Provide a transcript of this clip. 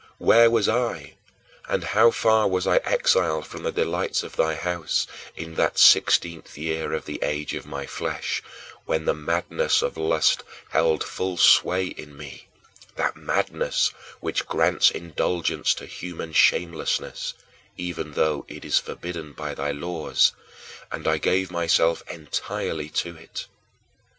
Where was I, and how far was I exiled from the delights of thy house, in that sixteenth year of the age of my flesh, when the madness of lust held full sway in me that madness which grants indulgence to human shamelessness, even though it is forbidden by thy laws and I gave myself entirely to it?